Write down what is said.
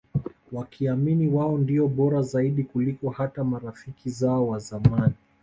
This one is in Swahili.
Wakiamini wao ndio Bora Zaidi kuliko hata marafiki zao wazamani